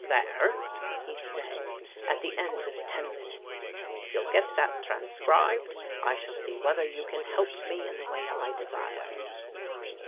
" There," he said at the end of ten minutes, " if you'll get that transcribed I shall see whether you can help me in the way I desire."